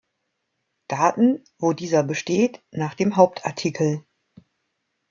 Daten, wo dieser besteht, nach dem Hauptartikel.